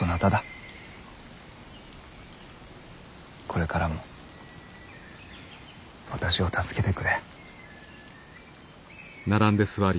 これからも私を助けてくれ。